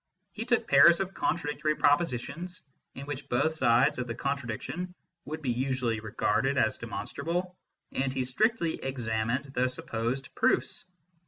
He took pairs of contradictory propositions, in which both sides of the contradiction would be usually regarded as demon strable, and he strictly examined the supposed proofs.